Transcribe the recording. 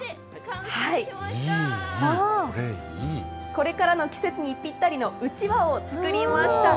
これからの季節にぴったりのうちわを作りました。